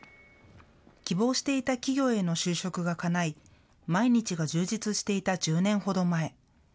希望していた企業への就職がかない毎日が充実していた１０年ほど前。